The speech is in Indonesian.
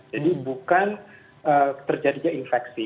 jadi bukan terjadinya infeksi